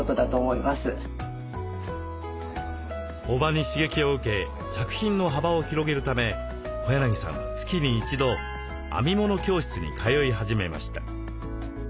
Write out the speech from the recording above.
伯母に刺激を受け作品の幅を広げるため小柳さんは月に一度編み物教室に通い始めました。